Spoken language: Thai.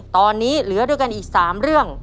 ตอนนี้เหลือด้วยกันอีก๓เรื่อง